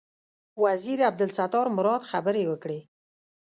وزیر عبدالستار مراد خبرې وکړې.